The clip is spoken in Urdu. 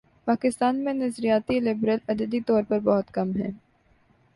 پاکستان میں نظریاتی لبرل عددی طور پر بہت کم ہیں۔